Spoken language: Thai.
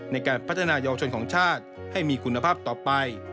ในการพัฒนายาวชนของชาติให้มีคุณภาพต่อไป